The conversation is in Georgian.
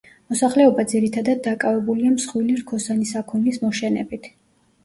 მოსახლეობა ძირითადად დაკავებულია მსხვილი რქოსანი საქონლის მოშენებით.